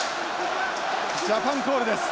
ジャパンコールです！